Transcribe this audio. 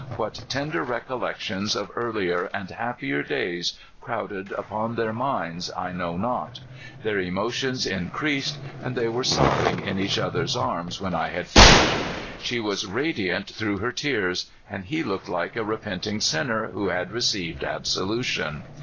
What tender recollections of earlier and happier days crowded upon their minds I know not. Iheir emotion increased, and they were sobbincr in each other's arms when 1 had*^ finished. She was radiant through her tears, and he looked like a repenting sinner who had receiyed absolution.